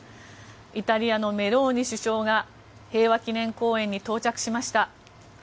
イタリアのメローニ首相が平和記念公園に到着しました。